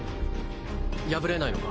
破れないのか？